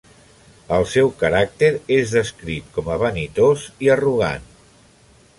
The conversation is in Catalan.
El seu caràcter és descrit com a vanitós i arrogant.